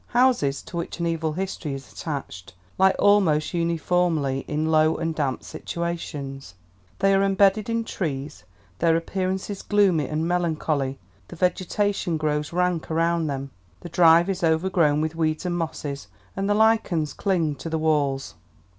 Houses to which an evil history is attached lie almost uniformly in low and damp situations. They are embedded in trees; their appearance is gloomy and melancholy; the vegetation grows rank around them, the drive is overgrown with weeds and mosses, and lichens cling to the walls.